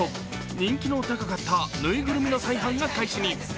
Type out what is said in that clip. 人気の高かったぬいぐるみの再販が開始に。